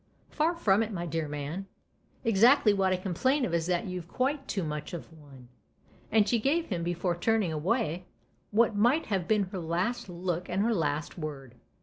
" "Far from it, my dear man. Exactly what I complain of is that you've quite too much of one." And she gave him, before turning away, what might have been her last look and her last word.